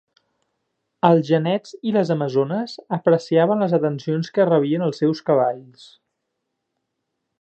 Els genets i les amazones apreciaven les atencions que rebien els seus cavalls.